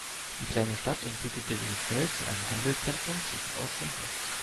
Die kleine Stadt entwickelte sich schnell zu einem Handelszentrum zwischen Ost und West.